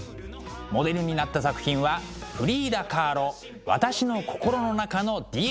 モデルになった作品はフリーダ・カーロ「私の心の中のディエゴ」です。